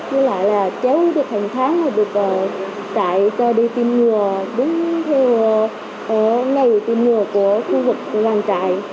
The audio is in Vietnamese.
với lại là cháu được hàng tháng được trại cho đi tìm ngừa đứng theo ngày tìm ngừa của khu vực làng trại